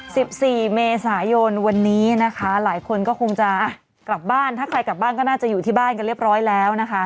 สิบสี่เมษายนวันนี้นะคะหลายคนก็คงจะอ่ะกลับบ้านถ้าใครกลับบ้านก็น่าจะอยู่ที่บ้านกันเรียบร้อยแล้วนะคะ